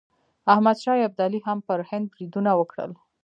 احمد شاه ابدالي هم په هند بریدونه وکړل.